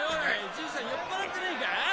じいさん酔っ払ってねぇか？